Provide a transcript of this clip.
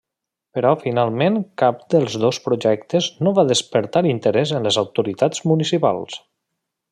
Però finalment cap dels dos projectes no va despertar interès en les autoritats municipals.